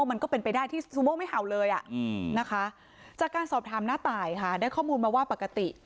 มันก็เป็นไปได้ที่ซูโม่ไม่เห่าเลยนะคะจากการสอบถามน้าตายค่ะได้ข้อมูลมาว่าปกติ